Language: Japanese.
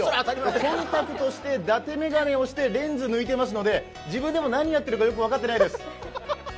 コンタクトして、だて眼鏡をしてレンズ抜いてますので、自分でも何やってるかよく分かってないです。